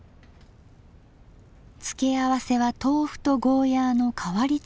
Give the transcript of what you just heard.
付け合わせは豆腐とゴーヤーの変わり漬物で。